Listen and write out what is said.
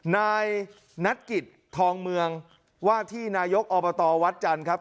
นายนัทกิจทองเมืองว่าที่นายกอบตวัดจันทร์ครับ